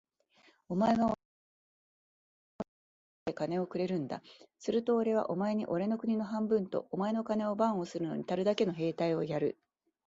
お前はおれにおれの兵隊を養うだけ金をくれるんだ。するとおれはお前におれの国を半分と、お前の金を番するのにたるだけの兵隊をやる。